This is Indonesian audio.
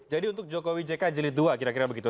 jadi untuk jokowi jk jilid dua kira kira begitu